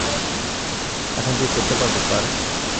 এখন কী করতে পারবো, স্যার?